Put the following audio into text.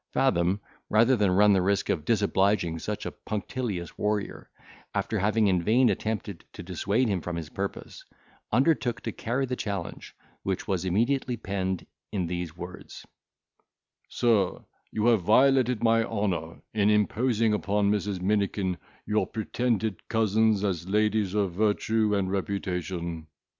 Fathom, rather than run the risk of disobliging such a punctilious warrior, after having in vain attempted to dissuade him from his purpose, undertook to carry the challenge, which was immediately penned in these words: "SIR, You have violated my honour in imposing upon Mrs. Minikin your pretended cousins as ladies of virtue and reputation.